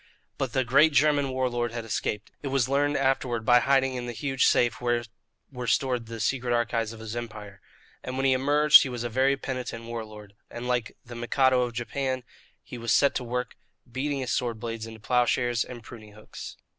But the great German war lord had escaped it was learned, afterward, by hiding in the huge safe where were stored the secret archives of his empire. And when he emerged he was a very penitent war lord, and like the Mikado of Japan he was set to work beating his sword blades into ploughshares and pruning hooks.